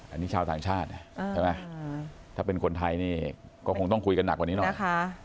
อันนี้ชาวต่างชาติถ้าเป็นคนไทยก็คงต้องคุยกันหนักกว่านี้หน่อย